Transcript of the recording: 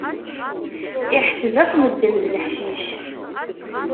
Iḥseb akk medden d leḥcic.